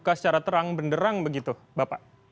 terbuka secara terang benderang begitu bapak